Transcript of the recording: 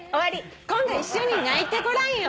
今度一緒に鳴いてごらんよ。